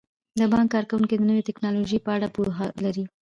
د بانک کارکوونکي د نویو ټیکنالوژیو په اړه پوهه لري.